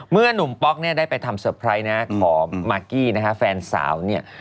เมื่อนุ่มป๊อกได้ไปทำสเตอร์ไพรส์ของมากกี้แฟนสาว